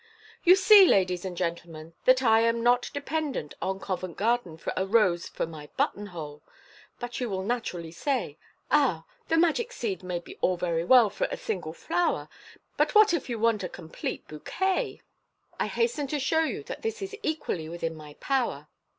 " You see, ladies and gentlemen, that I am not dependent on Covent Garden for a rose for my button hole 3 but you will naturally say, ' Ah ! the magic seed may be all very well for a single flower, but what if you wanted a complete bouquet ?' I hasten to show you that this is equally within my power.